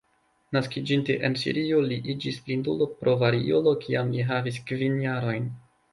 Naskiĝinte en Sirio, li iĝis blindulo pro variolo kiam li havis kvin jarojn.